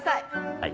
はい。